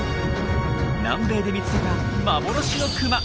南米で見つけた幻のクマ